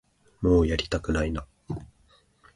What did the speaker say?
もうやりたくないな